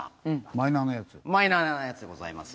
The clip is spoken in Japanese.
マイナーなやつでございます。